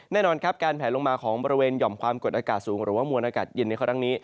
แน่นอนครับการแผลลงมาของบริเวณหย่อมความกดอากาศสูงหรือว่ามวลอากาศเย็นในครั้งนี้